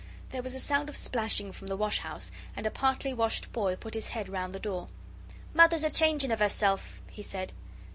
There was a sound of splashing from the wash house, and a partly washed boy put his head round the door. "Mother's a changing of herself," he said.